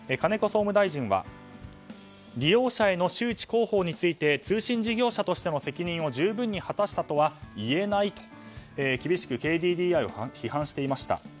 総務大臣は利用者への周知・広報について通信事業者としての責任を十分に果たしたとは言えないと厳しくＫＤＤＩを批判していました。